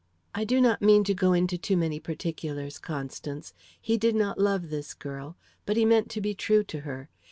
"I do not mean to go into too many particulars, Constance. He did not love this girl, but he meant to be true to her.